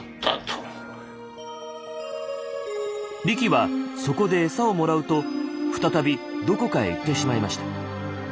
リキはそこで餌をもらうと再びどこかへ行ってしまいました。